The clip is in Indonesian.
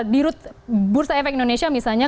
di rut bursa efek indonesia misalnya